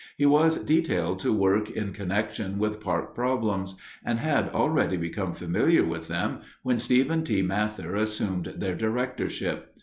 He was detailed to work in connection with park problems and had already become familiar with them when Stephen T. Mather assumed their directorship.